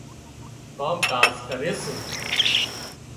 ڪام ڪاز ڪري سي